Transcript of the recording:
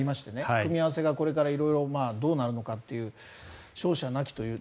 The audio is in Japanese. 組み合わせがこれから色々どうなるのかという勝者なきという。